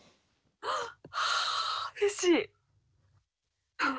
あっうれしい！